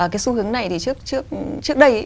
cái xu hướng này thì trước đây